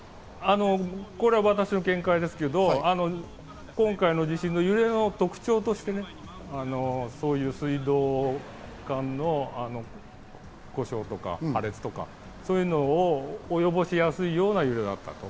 これは私の見解ですけど、今回の地震の揺れの特徴として、そういう水道管の故障とか破裂とか、そういうのをおよぼしやすいような揺れだった。